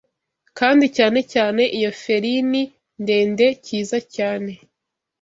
kandi cyane cyane iyo ferini ndende, Cyiza cyane,